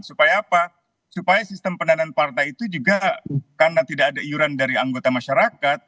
supaya apa supaya sistem pendanaan partai itu juga karena tidak ada iuran dari anggota masyarakat